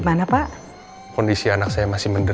jangan lupa like share dan subscribe ya